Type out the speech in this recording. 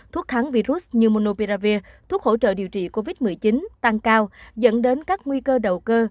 thuốc kháng virus như monopia thuốc hỗ trợ điều trị covid một mươi chín tăng cao dẫn đến các nguy cơ đầu cơ